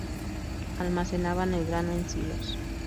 Almacenaban el grano en silos.